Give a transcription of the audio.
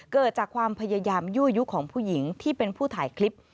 เกิดจากความพยายามยั่วยุของผู้หญิงที่เป็นผู้ถ่ายคลิป